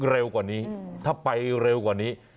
เร็วกว่านี้ถ้าไปเร็วกว่านี้